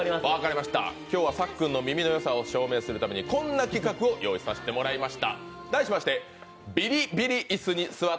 今日は、さっくんの耳の良さを証明するためにこんな企画を用意させてもらいました。